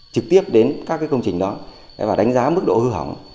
trực tiếp đến các công trình đó và đánh giá mức độ hư hỏng